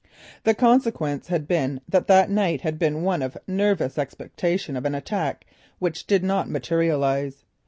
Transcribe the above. The consequence had been that that night had been one of nervous expectation of an attack which did not materialise.